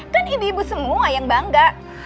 kan ibu ibu semua yang bangga